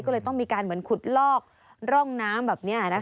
ก็เลยต้องมีการเหมือนขุดลอกร่องน้ำแบบนี้